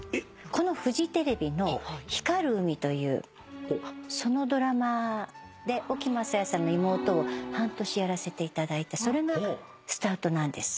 このフジテレビの『光る海』というそのドラマで沖雅也さんの妹を半年やらせていただいたそれがスタートなんです。